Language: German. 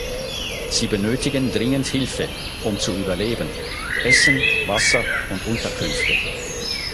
Sie benötigen dringend Hilfe, um zu überleben, Essen, Wasser und Unterkünfte.